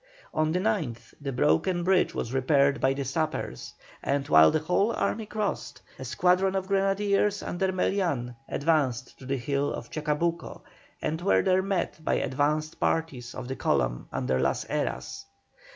On the 9th the broken bridge was repaired by the sappers, and while the whole army crossed, a squadron of grenadiers under Melian advanced to the hill of Chacabuco, and were there met by advanced parties of the column under Las Heras.